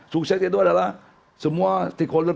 sukses itu adalah semua stakeholder